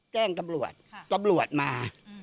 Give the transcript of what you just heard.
แจ้งตำรวจตำรวจมา